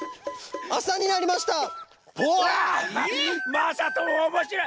まさともおもしろい。